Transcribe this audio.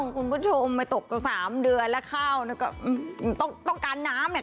ขอบคุณผู้ชมไม่ตกสามเดือนแล้วข้าวต้องการน้ำเนี่ย